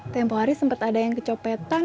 tempo hari sempet ada yang kecopetan